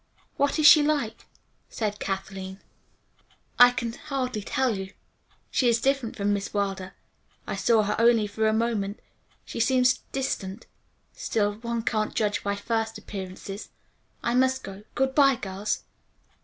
"What is she like?" asked Kathleen. "I can hardly tell you. She is different from Miss Wilder. I saw her only for a moment. She seems distant. Still one can't judge by first appearances. I must go. Good bye, girls."